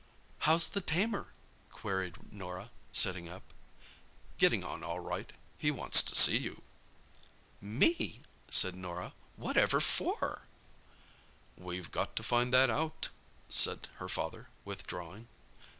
"How's the tamer?" queried Norah, sitting up. "Getting on all right. He wants to see you." "Me!" said Norah. "Whatever for?" "We've got to find that out," said her father, withdrawing.